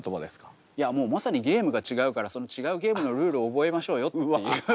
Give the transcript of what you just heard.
いやもうまさにゲームが違うからその違うゲームのルール覚えましょうよっていう。